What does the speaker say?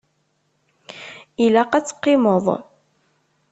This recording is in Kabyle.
Ilaq ad teqqimeḍ.